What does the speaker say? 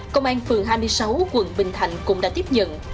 công an phường hai mươi sáu quận bình thạnh cũng đã tiếp nhận